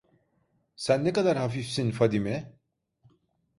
Sen ne kadar hafifsin Fadime!